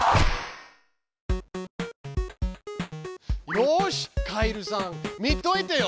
よしカエルさん見といてよ。